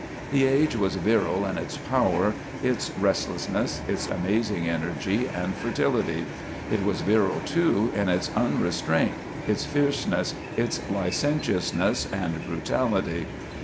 The age was virile in its power, its restlessness, its amazing energy and fertility; it was virile, too, in its unrestraint, its fierceness, its licentiousness and brutality.